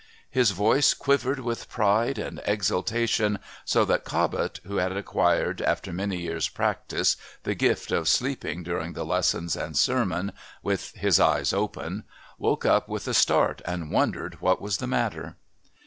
His voice quivered with pride and exultation so that Cobbett, who had acquired, after many years' practice, the gift of sleeping during the Lessons and Sermon with his eyes open, woke up with a start and wondered what was the matter.